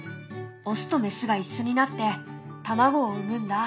オスとメスが一緒になって卵を産むんだ。